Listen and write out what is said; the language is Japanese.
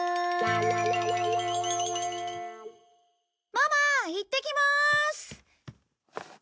ママいってきまーす！